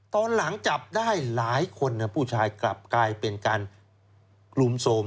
ตอนหลังจับได้หลายคนผู้ชายกลับกลายเป็นการลุมโทรม